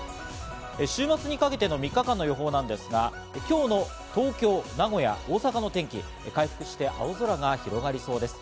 週末にかけての３日間の予報なんですが今日の東京、名古屋、大阪の天気、回復して青空が広がりそうです。